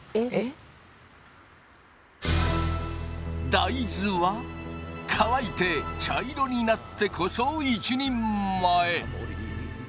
大豆は乾いて茶色になってこそ一人前！